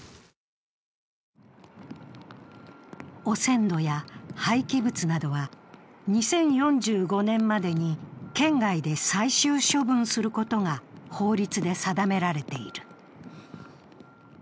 汚染土や廃棄物などは２０４５年までに県外で最終処分することが法律で定められている。